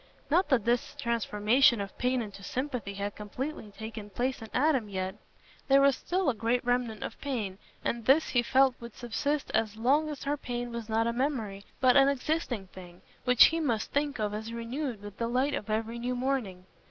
Not that this transformation of pain into sympathy had completely taken place in Adam yet. There was still a great remnant of pain, and this he felt would subsist as long as her pain was not a memory, but an existing thing, which he must think of as renewed with the light of every new morning.